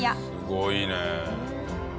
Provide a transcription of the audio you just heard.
すごいねえ。